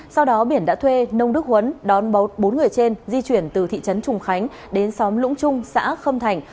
sau đó biển đã thuê nông đức huấn đón bốn người trên di chuyển từ thị trấn trùng khánh đến xóm lũng trung xã khâm thành